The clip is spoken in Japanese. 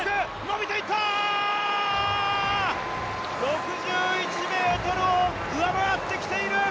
６１ｍを上回ってきている！